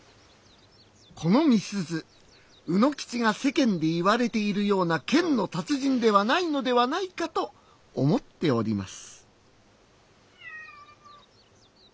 この美鈴卯之吉が世間で言われているような剣の達人ではないのではないかと思っております。